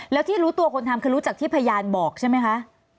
แล้วที่รู้ตัวคนทำคือรู้จักที่พยานบอกใช่ไหมคะ